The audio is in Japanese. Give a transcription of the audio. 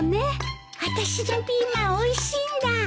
あたしのピーマンおいしいんだ。